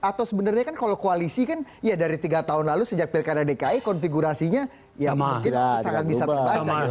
atau sebenarnya kan kalau koalisi kan ya dari tiga tahun lalu sejak pilkada dki konfigurasinya ya mungkin sangat bisa terbaca